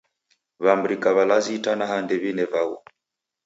W'amrika w'alazi itanaha ndew'ine vaghu